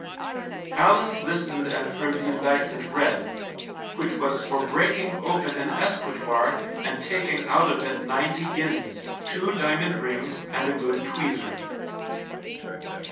Alice listened and heard the indictment read, which was for breaking open an escritoire and taking out of it ninety guineas, two diamond rings and a good tweezer.